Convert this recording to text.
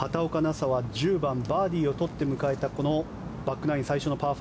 紗は、１０番バーディーを取って迎えたこのバックナイン最初のパー５。